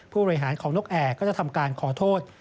ผู้บริหารของนกแอร์ก็จะทำการขอโทษ